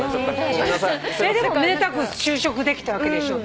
めでたく就職できたわけでしょ。